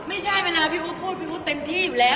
ไม่ใช่เวลาพี่อู๊ดพูดพี่อู๊ดเต็มที่อยู่แล้ว